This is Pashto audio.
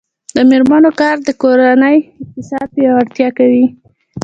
د میرمنو کار د کورنۍ اقتصاد پیاوړتیا کوي.